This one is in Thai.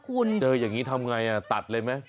สูยมีอย่างนี้ทำอย่างไรตัดเลยไหม